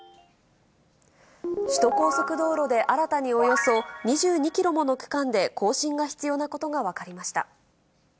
首都高速道路で新たにおよそ２２キロもの区間で更新が必要なことが分かりました。